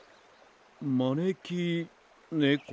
まねきねこ？